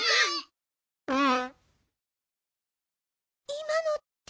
いまのって。